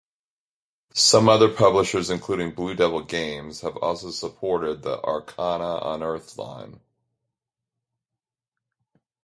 Some other publishers, including Blue Devil Games, have also supported the "Arcana Unearthed" line.